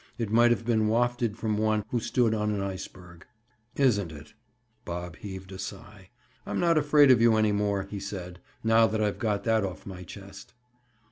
It might have been wafted from one who stood on an iceberg. "Isn't it?" Bob heaved a sigh. "I'm not afraid of you any more," he said, "now that I've got that off my chest."